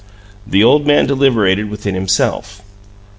The old man deliberated within himself.